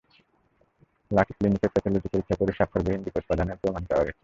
Lucky ক্লিনিকে pathology পরীক্ষা করে স্বাক্ষরবিহীন রিপোর্ট প্রদানের প্রমাণ পাওয়া গেছে।